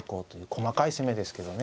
細かい攻めですけどね。